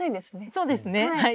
そうですねはい。